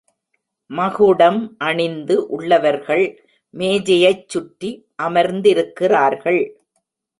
மகுடம் அணிந்து உள்ளவர்கள் மேஜையைச் சுற்றி அமர்ந்திருக்கிறார்கள்.